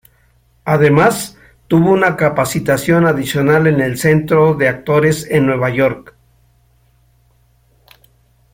Además, tuvo una capacitación adicional en el Centro de Actores en Nueva York.